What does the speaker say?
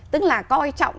tức là coi trọng